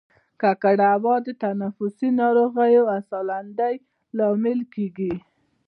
ککړه هوا د تنفسي ناروغیو او سالنډۍ لامل کیږي